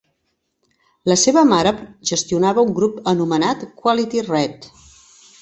La seva mare gestionava un grup anomenat Quality Red.